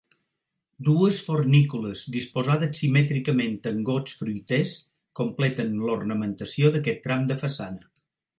Dues fornícules disposades simètricament amb gots fruiters completen l'ornamentació d'aquest tram de façana.